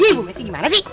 ibu messi gimana sih